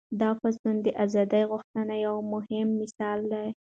دا پاڅون د ازادۍ غوښتنې یو مهم مثال دی.